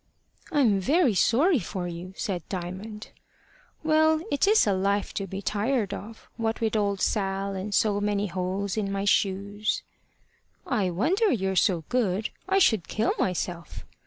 "I'm very sorry for you," said Diamond. "Well, it is a life to be tired of what with old Sal, and so many holes in my shoes." "I wonder you're so good. I should kill myself."